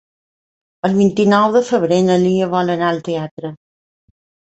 El vint-i-nou de febrer na Lia vol anar al teatre.